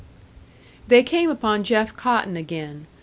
They came upon Jeff Cotton again.